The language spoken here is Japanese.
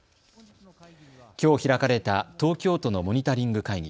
きょう開かれた東京都のモニタリング会議。